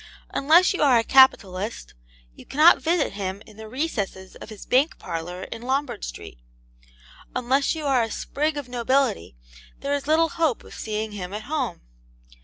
Unless you are a capitalist, you cannot visit him in the recesses of his bank parlour in Lombard Street. Unless you are a sprig of nobility there is little hope of seeing him at home.